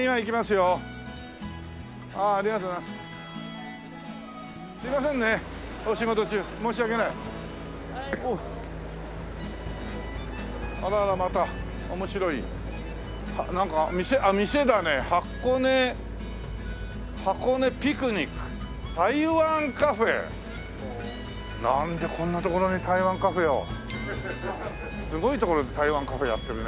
すごい所で台湾カフェやってるね。